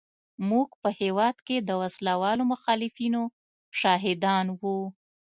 موږ په هېواد کې د وسله والو مخالفینو شاهدان وو.